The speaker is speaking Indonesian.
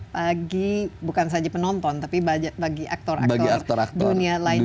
bagi bukan saja penonton tapi bagi aktor aktor dunia lainnya